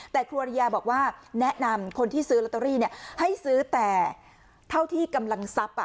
แต่ครูอริยาบอกว่าแนะนำคนที่ซื้อลอตเตอรี่ให้ซื้อแต่เท่าที่กำลังทรัพย์